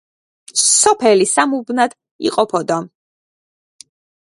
სოფელი სამ უბნად იყოფოდა.